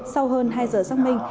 sau hơn hai giờ sáng minh